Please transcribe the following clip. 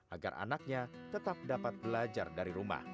agar anaknya tetap dapat belajar dari rumah